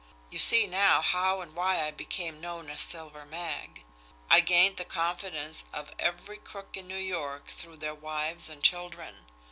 You see now how and why I became known as Silver Mag. I gained the confidence of every crook in New York through their wives and children.